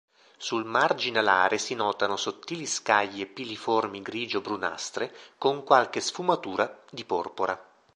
Sul margine alare si notano sottili scaglie piliformi grigio-brunastre, con qualche sfumatura di porpora.